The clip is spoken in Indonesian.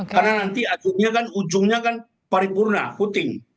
karena nanti akhirnya kan ujungnya kan paripurna footing